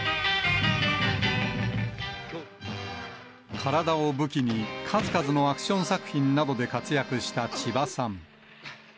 体を武器に、数々のアクション作品などで活躍した千葉さん。